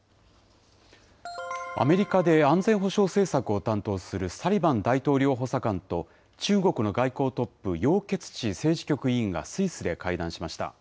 アメリカで安全保障政策を担当するサリバン大統領補佐官と、中国の外交トップ、楊潔チ政治局委員がスイスで会談しました。